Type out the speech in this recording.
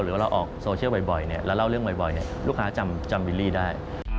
หรือว่าเราออกโซเชียลบ่อยแล้วเล่าเรื่องบ่อยลูกค้าจำบิลลี่ได้